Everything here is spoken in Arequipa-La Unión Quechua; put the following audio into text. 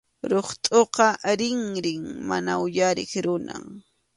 Ruqtʼuqa rinrin mana uyariq runam.